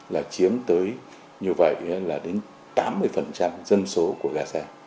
là chiếm tới như vậy là đến tám mươi dân số của gaza